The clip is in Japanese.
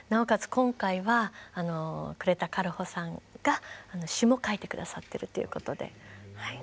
今回は呉田軽穂さんが詞も書いて下さってるということで。